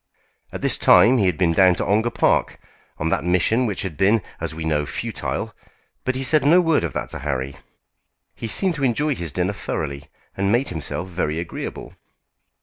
At this time he had been down to Ongar Park, on that mission which had been, as we know, futile; but he said no word of that to Harry. He seemed to enjoy his dinner thoroughly, and made himself very agreeable.